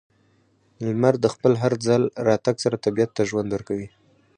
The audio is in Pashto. •لمر د خپل هر ځل راتګ سره طبیعت ته ژوند ورکوي.